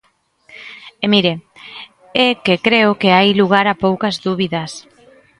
E, mire, é que creo que hai lugar a poucas dúbidas.